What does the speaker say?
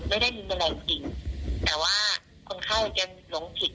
ไม่ได้มีแมลงจริงแต่ว่าคนไข้จะหลงผิด